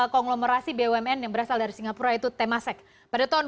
konglomerasi bumn yang berasal dari singapura yaitu temasek pada tahun dua ribu